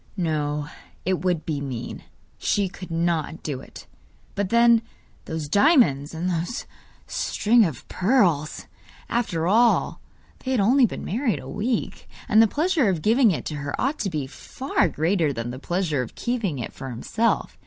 No, it would be mean; she could not do it! But then, those diamonds, and those string of pearls! After all, they had only been married a week, and the pleasure of giving it to her ought to be far greater than the pleasure of keeping it for himself.